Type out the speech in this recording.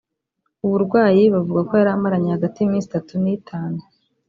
uburwayi bavuga ko yari amaranye hagati y’iminsi itatu n’itanu